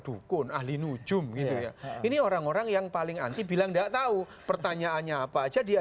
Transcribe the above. dukun ahli nujum gitu ya ini orang orang yang paling anti bilang enggak tahu pertanyaannya apa aja dia